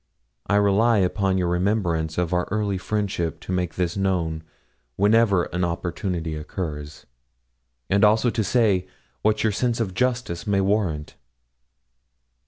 I rely upon your remembrance of our early friendship to make this known wherever an opportunity occurs, and also to say what your sense of justice may warrant.'